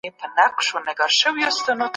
هغه په انټرنېټ کي د ژوندپوهنې ویډیوګانې ګوري.